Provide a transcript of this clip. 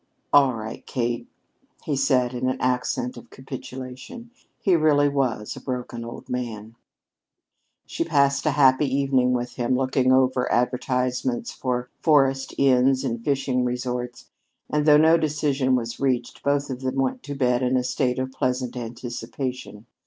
"All right, Kate," he said with an accent of capitulation. He really was a broken old man. She passed a happy evening with him looking over advertisements of forest inns and fishing resorts, and though no decision was reached, both of them went to bed in a state of pleasant anticipation.